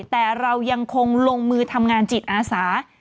แต่เรายังคงลงมือทำงานจิตอาสา